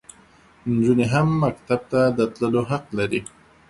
انجونې هم مکتب ته د تللو حق لري.